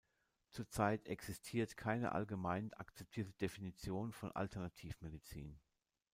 Zurzeit existiert keine allgemein akzeptierte Definition von „Alternativmedizin“.